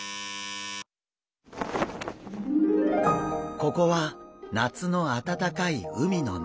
ここは夏のあたたかい海の中。